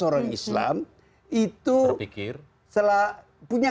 orang islam itu berpikir setelah punya